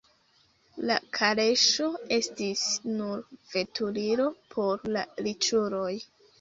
La kaleŝo estis nur veturilo por la riĉuloj.